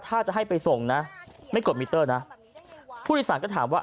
ถ้าจะให้ไปส่งนะไม่กดมิเตอร์นะผู้โดยสารก็ถามว่า